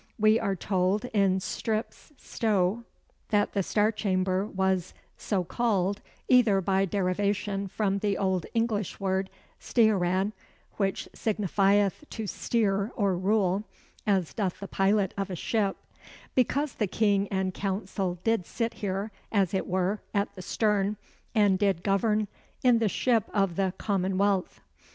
We are told in Strype's Stowe, that the Star Chamber was "so called, either by derivation from the old English word Steoran, which signifieth to steer or rule, as doth the pilot of a ship; because the King and Council did sit here, as it were, at the stern, and did govern in the ship of the Commonwealth.